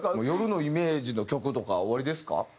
夜のイメージの曲とかおありですか？